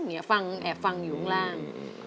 ฟังแอบฟังอยู่ข้างล่าง